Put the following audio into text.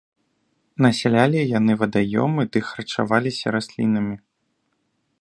Насялялі яны вадаёмы ды харчаваліся раслінамі.